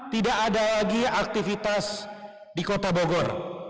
tidak ada lagi aktivitas di kota bogor